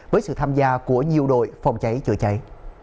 với sự tham gia của nhiều đội phòng cháy chữa cháy